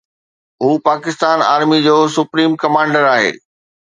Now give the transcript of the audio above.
هو پاڪستان آرمي جو supreme commander آهي.